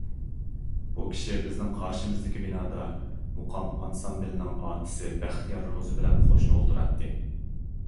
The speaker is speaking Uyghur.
بۇ كىشى بىزنىڭ قارشىمىزدىكى بىنادا مۇقام ئانسامبىلنىڭ ئارتىسى بەختىيار روزى بىلەن قوشنا ئولتۇراتتى.